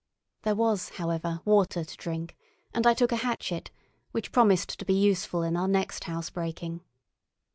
There was, however, water to drink; and I took a hatchet, which promised to be useful in our next house breaking.